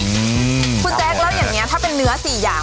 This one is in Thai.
อืมคุณแจ๊คแล้วอย่างเงี้ถ้าเป็นเนื้อสี่อย่าง